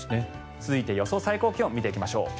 続いて、予想最高気温を見ていきましょう。